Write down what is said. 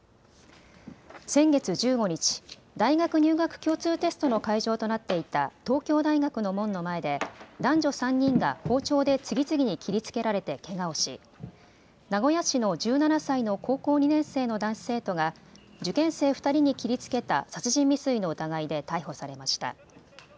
先月１５日、大学入学共通テストの会場となっていた東京大学の門の前で男女３人が包丁で次々に切りつけられて、けがをし名古屋市の１７歳の高校２年生の男子生徒が受験生２人に切りつけた殺人未遂の疑いで逮捕されました。